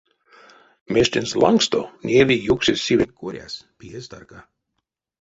Мештензэ лангсто неяви юксезь сивенть коряс пиезь тарка.